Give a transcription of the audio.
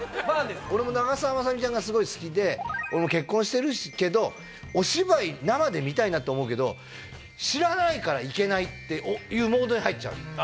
俺も長澤まさみちゃんがすごい好きで俺も結婚してるけどお芝居生で見たいなって思うけど知らないから行けないっていうモードに入っちゃうの。